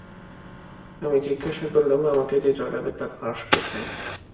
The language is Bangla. আমি জিজ্ঞাসা করলুম, আমাকে যে জড়াবে তার ফাঁস কোথায়?